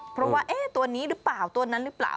เพราะว่าตัวนี้หรือเปล่าตัวนั้นหรือเปล่า